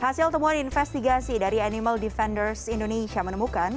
hasil temuan investigasi dari animal defenders indonesia menemukan